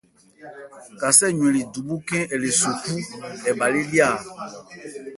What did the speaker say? Kasé ɛ ywɛnli dubhú khɛ́n ɛ le so khú, ɛ bhâ lé ya.